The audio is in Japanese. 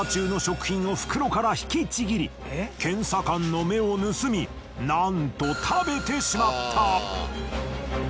検査官の目を盗みなんと食べてしまった。